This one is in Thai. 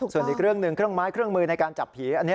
ส่วนอีกเรื่องหนึ่งเครื่องไม้เครื่องมือในการจับผีอันนี้